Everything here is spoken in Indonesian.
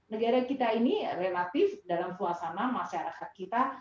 negara kita ini relatif dalam suasana masyarakat kita